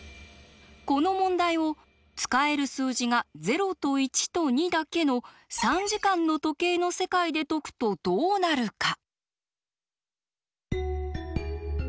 この問題を使える数字が０と１と２だけの３時間の時計の世界で解くとどうなるか？